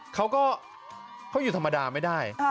เขาก็เขาอยู่ธรรมดาไม่ได้